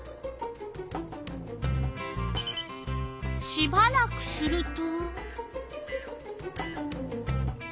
しばらくすると？